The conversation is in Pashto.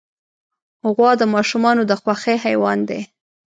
غوا د ماشومانو د خوښې حیوان دی.